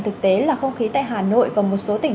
thực tế là không khí tại hà nội và một số tỉnh